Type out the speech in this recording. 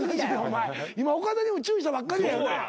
今岡田にも注意したばっかりやんな。